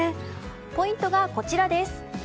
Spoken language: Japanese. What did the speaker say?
ポイントは、こちらです。